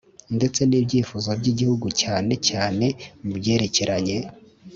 ndetse n’ibyifuzo by’igihugu cyane cyane mu byerekeranye